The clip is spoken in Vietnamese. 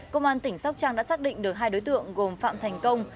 công an tỉnh sóc trăng đã xác định được hai đối tượng gồm phạm thành công